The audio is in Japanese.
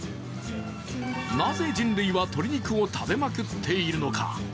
なぜ人類は鶏肉を食べまくっているのか。